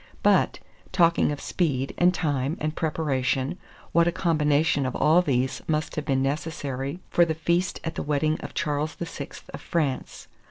But, talking of speed, and time, and preparation, what a combination of all these must have been necessary for the feast at the wedding of Charles VI. of France.